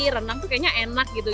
renang tuh kayaknya enak gitu